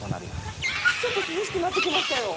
ちょっと涼しくなってきましたよ！